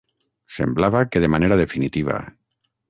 Semblava que de manera definitiva.